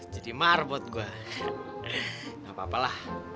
jadi marbot gua